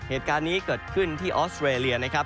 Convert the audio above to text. เหตุการณ์นี้เกิดขึ้นที่ออสเตรเลียนะครับ